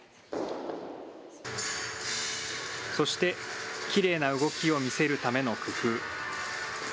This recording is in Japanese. そして、きれいな動きを見せるための工夫。